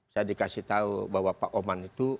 saya dikasih tahu bahwa pak oman itu